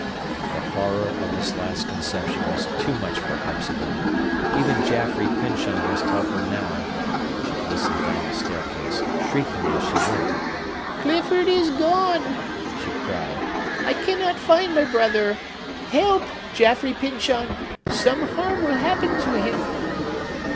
The horror of this last conception was too much for Hepzibah. Even Jaffrey Pyncheon must help her now! She hastened down the staircase, shrieking as she went. "Clifford is gone!" she cried. "I cannot find my brother. Help, Jaffrey Pyncheon! Some harm will happen to him!"